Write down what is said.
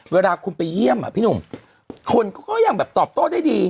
เวลาคุณไปเยี่ยมอ่ะพี่หนุ่มคนก็ยังแบบตอบโต้ได้ดี